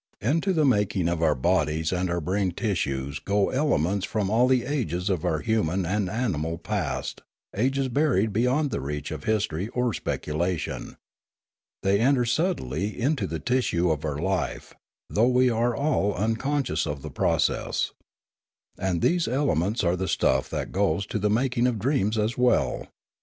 Into the making of our bodies and our brain tissues go elements from all the ages of our human and animal past, ages buried beyond the reach of history or speculation. They enter subtly into the tissue of our life, though we are all unconscious of the process. And these elements are the stuff that goes to the mak ing of dreams as well.